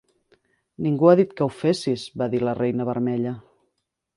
"Ningú ha dit que ho fessis", va dir la Reina Vermella.